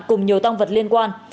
cùng nhiều tăng vật liên quan